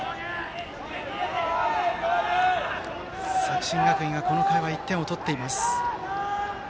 しかし、作新学院がこの回は１点を取っています。